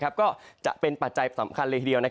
ก็จะเป็นปัจจัยสำคัญเลยทีเดียว